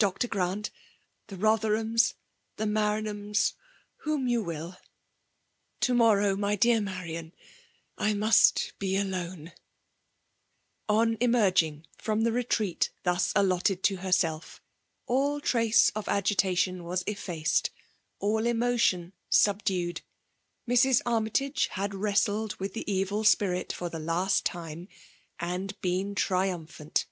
Dr. Ghrant, — ^the Bother Jbiams, — the Maranhams, « *whom you will. To morrow, my dear Marian, I most be alone T On emerging firom the retreat thus allotted (o herself, all trace of agitation was effaced, — all emotion subdued: — Mrs. Armjtage had wrestled with the evil spirit for the last time, and been triumphant.